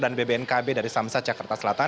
dan bbnkb dari samsat jakarta selatan